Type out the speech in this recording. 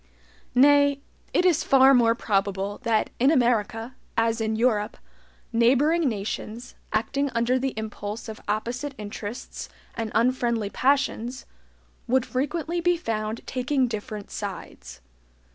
Nay, it is far more probable that in America, as in Europe, neighboring nations, acting under the impulse of opposite interests and unfriendly passions, would frequently be found taking different sides.